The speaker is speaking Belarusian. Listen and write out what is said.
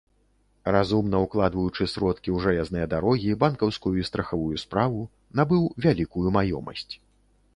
Разумна укладваючы сродкі ў жалезныя дарогі, банкаўскую і страхавую справу, набыў вялікую маёмасць.